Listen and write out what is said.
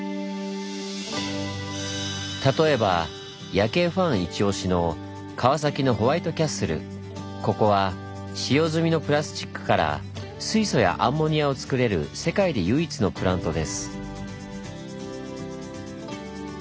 例えば夜景ファンイチオシのここは使用済みのプラスチックから水素やアンモニアをつくれる世界で唯一のプラントです。